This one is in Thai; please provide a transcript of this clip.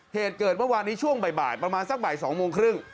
เหตุเกิดเมื่อวานนี้ช่วงบ่ายประมาณสักบ่าย๒โมงครึ่ง